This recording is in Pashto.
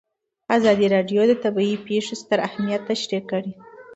ازادي راډیو د طبیعي پېښې ستر اهميت تشریح کړی.